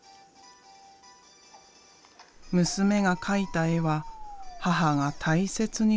娘が描いた絵は母が大切に保管している。